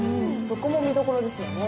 そこも見どころですよね。